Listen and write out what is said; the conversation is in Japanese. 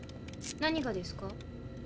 何がですか？